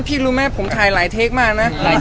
พี่รู้มั้ยผมถ่ายหลายเทคมากนะ